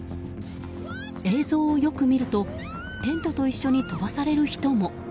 映像をよく見るとテントと一緒に飛ばされる人も。